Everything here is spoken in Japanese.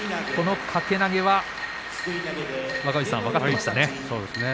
掛け投げは分かっていましたね。